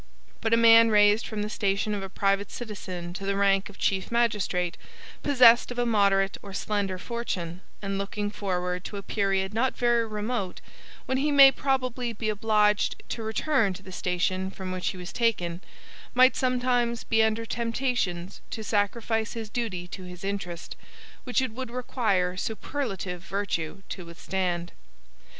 But a man raised from the station of a private citizen to the rank of chief magistrate, possessed of a moderate or slender fortune, and looking forward to a period not very remote when he may probably be obliged to return to the station from which he was taken, might sometimes be under temptations to sacrifice his duty to his interest, which it would require superlative virtue to withstand.